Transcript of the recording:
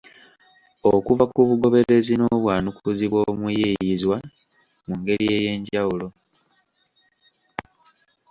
Okuva ku bugoberezi n’obwanukuzi bw’omuyiiyizwa mu ngeri ey’enjawulo.